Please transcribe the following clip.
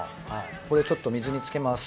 これちょっと水に浸けます。